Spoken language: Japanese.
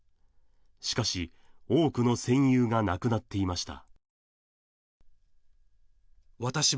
しかし多くの戦友が亡くなっていました